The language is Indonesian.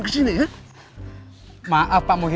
kau suka kagetnya ga ke stops